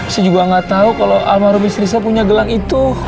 saya juga gak tau kalau almarhumis risa punya gelang itu